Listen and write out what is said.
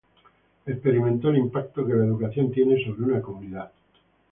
Experimentó el impacto que la educación tiene sobre una comunidad.